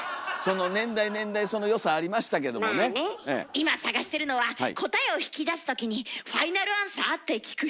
今探してるのは答えを引き出す時に「ファイナルアンサー？」って聞く人。